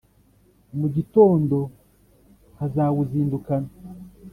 Mu gitondo nkazawuzindukana,